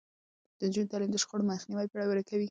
د نجونو تعليم د شخړو مخنيوی پياوړی کوي.